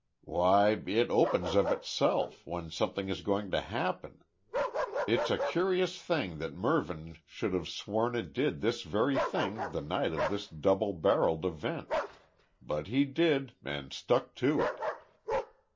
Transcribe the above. "Why, it opens of itself, when something is going to happen. It's a curious thing that Mervyn should have sworn it did this very thing the night of this double barrelled event. But he did and stuck to it."